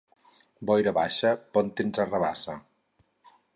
Boira baixa bon temps arrabassa.